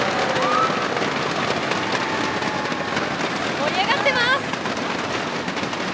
盛り上がってます！